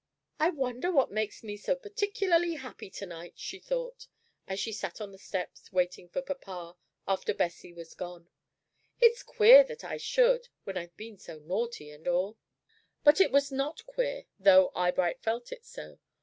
"I wonder what makes me so particularly happy to night," she thought, as she sat on the steps waiting for papa, after Bessie was gone. "It's queer that I should, when I've been so naughty and all." But it was not queer, though Eyebright felt it so.